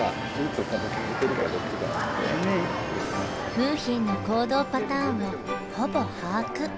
楓浜の行動パターンをほぼ把握。